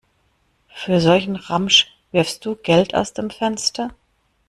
Für solchen Ramsch wirfst du Geld aus dem Fenster?